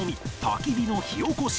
焚き火の火おこし